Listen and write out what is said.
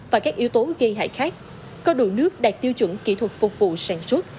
và các yếu tố gây hại khác có đủ nước đạt tiêu chuẩn kỹ thuật phục vụ sản xuất